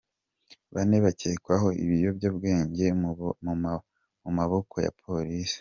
Bane bakekwaho ibiyobyabwenge mu maboko ya Polisi